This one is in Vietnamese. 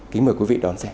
kính mời quý vị đón xem